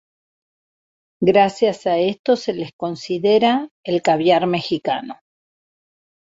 Gracias a esto se les considera "El Caviar Mexicano".